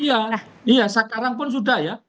iya iya sekarang pun sudah ya